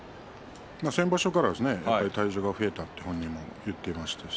先場所から体重が増えたと本人も言っていましたし